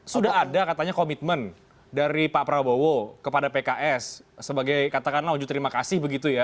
sudah ada katanya komitmen dari pak prabowo kepada pks sebagai katakanlah wujud terima kasih begitu ya